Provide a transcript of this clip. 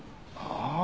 ああ。